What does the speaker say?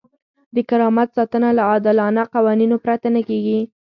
د کرامت ساتنه له عادلانه قوانینو پرته نه کیږي.